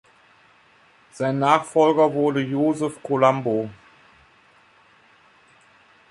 Sein Nachfolger wurde Joseph Colombo.